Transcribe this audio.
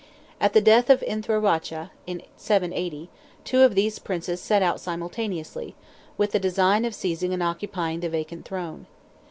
At the death of Inthra Racha, in 780, two of these princes set out simultaneously, with the design of seizing and occupying the vacant throne.